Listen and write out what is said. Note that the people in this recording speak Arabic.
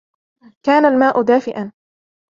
كان الماء دافئا